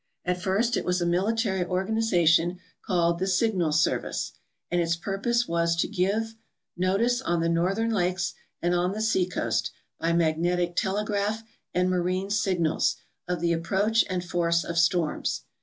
At first it was a military organization called the Signal Service, and its purpose was to give " notice on the north ern lakes and on the seacoast, by magnetic telegraph and marine signals, of the approach and force of storms."